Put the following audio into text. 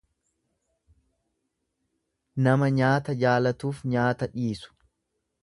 Nama nyaata jaalatuuf nyaata dhiisu..